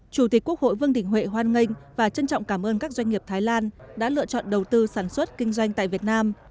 chủ tịch quốc hội vương đình huệ hoan nghênh và trân trọng cảm ơn các doanh nghiệp thái lan đã lựa chọn đầu tư sản xuất kinh doanh tại việt nam